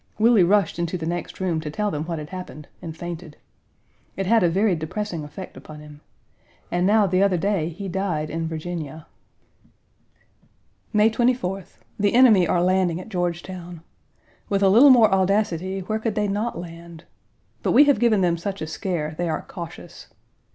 Willie rushed into the next room to tell them what had happened, and fainted. It had a very depressing effect upon him. And now the other day he died in Virginia. May 24th. The enemy are landing at Georgetown. With a little more audacity where could they not land? But we have given them such a scare, they are cautious.